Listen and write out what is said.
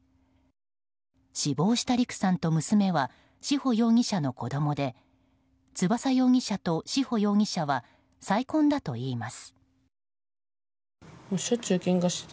死亡した陸さんと娘は志保容疑者の子供で翼容疑者と志保容疑者は再婚だといいます。